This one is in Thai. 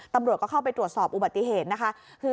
ตำรวจก็เข้าไปตรวจสอบอุบัติเหตุนะคะ